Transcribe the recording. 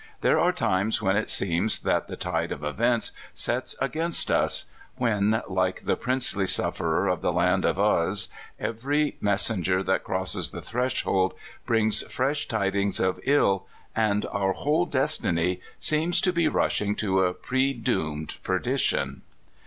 There are times when it seems that the tide of events sets against us when, like the princely sufferer of the land of Uz, every messenger that crosses the 66 CALIFORNIA SKETCHES. threshold brings fresh tidings of ill, and our whole destiny seems to be rushing to a predoomed perdi tion.